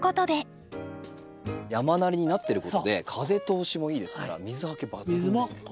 山なりになってることで風通しもいいですから水はけ抜群ですね。